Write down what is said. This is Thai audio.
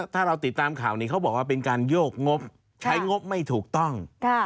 ถ้าเราติดตามข่าวนี้เขาบอกว่าเป็นการโยกงบใช้งบไม่ถูกต้อง